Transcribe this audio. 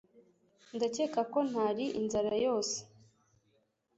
Ndakeka ko ntari inzara yose